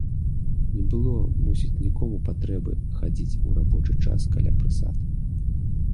Не было, мусіць, нікому патрэбы хадзіць у рабочы час каля прысад.